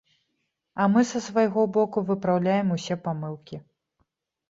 А мы са свайго боку выпраўляем усе памылкі.